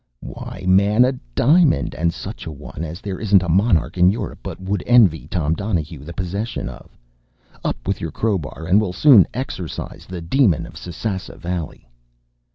” “Why, man, a diamond, and such a one as there isn’t a monarch in Europe but would envy Tom Donahue the possession of. Up with your crowbar, and we’ll soon exorcise the demon of Sasassa Valley!